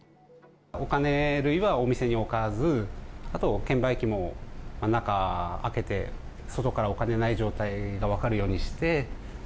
お金類はお店に置かず、あと券売機も中空けて、外からお金ない状態が分かるようにして。